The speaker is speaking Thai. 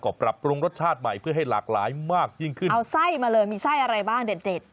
ก็ปรับปรุงรสชาติใหม่เพื่อให้หลากหลายมากยิ่งขึ้นเอาไส้มาเลยมีไส้อะไรบ้างเด็ดเด็ด